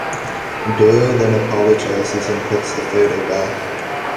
Doyle then apologizes and puts the photo back.